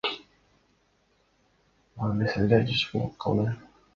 Ал эмес элдер да чогулуп калды.